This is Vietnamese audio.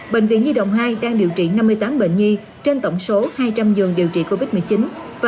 bệnh viện nhi đồng hai đang điều trị năm mươi tám bệnh nhi trên tổng số hai trăm linh giường điều trị covid một mươi chín